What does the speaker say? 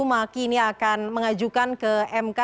maki ini akan mengajukan ke mk